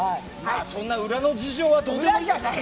そんな裏の事情はどうでもいい。